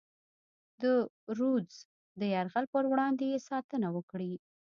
د رودز د یرغل پر وړاندې یې ساتنه وکړي.